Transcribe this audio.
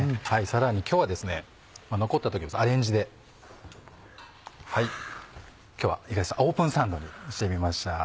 さらに今日はですね残った時のアレンジで今日はオープンサンドにしてみました。